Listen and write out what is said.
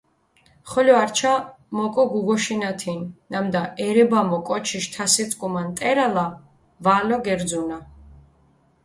ხოლო ართშა მოკო გუგოშინათინ, ნამდა ერებამო კოჩიშ თასიწკუმა ნტერალა ვალო გერძუნა.